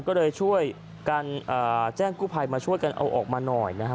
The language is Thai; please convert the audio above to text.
ก็เลยช่วยกันแจ้งกู้ภัยมาช่วยกันเอาออกมาหน่อยนะครับ